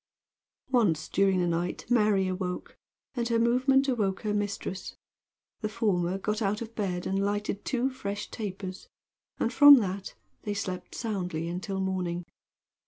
Once during the night Mary awoke, and her movement awoke her mistress. The former got out of bed and lighted two fresh tapers, and from that they slept soundly until morning.